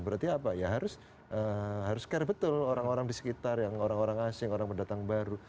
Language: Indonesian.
berarti apa ya harus care betul orang orang di sekitar yang orang orang asing orang pendatang baru